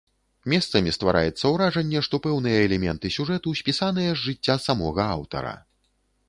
Месцамі ствараецца ўражанне, што пэўныя элементы сюжэту спісаныя з жыцця самога аўтара.